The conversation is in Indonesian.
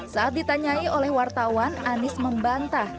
saat ditanyai oleh wartawan anies membantah